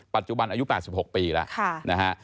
ปัจจุบันอายุ๘๖ปีแล้วนะฮะ